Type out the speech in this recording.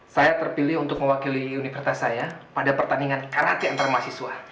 saya terpilih untuk mewakili universitas saya pada pertandingan karate antar mahasiswa